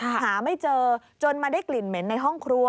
หาไม่เจอจนมาได้กลิ่นเหม็นในห้องครัว